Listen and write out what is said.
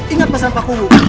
ingat pesan pakulu